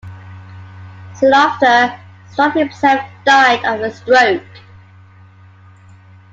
Soon after, Struve himself died of a stroke.